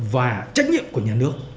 và trách nhiệm của nhà nước